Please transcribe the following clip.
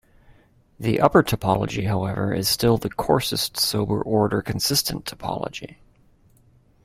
The upper topology however is still the coarsest sober order consistent topology.